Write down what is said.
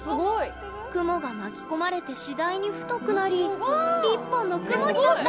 雲が巻き込まれて次第に太くなり一本の雲になった！